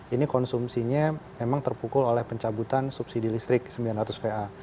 ini konsumsinya memang terpukul oleh pencabutan subsidi listrik sembilan ratus va